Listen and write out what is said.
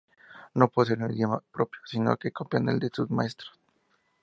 No poseen un idioma propio, sino que copian el de sus maestros.